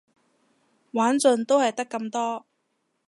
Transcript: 玩盡都係得咁多